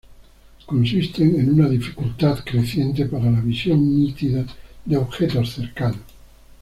Consisten en una dificultad creciente para la visión nítida de objetos cercanos.